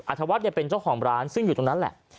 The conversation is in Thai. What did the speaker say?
ธวัฒน์เป็นเจ้าของร้านซึ่งอยู่ตรงนั้นแหละ